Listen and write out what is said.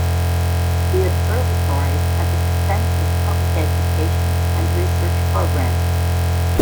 The observatory has extensive public education and research programs.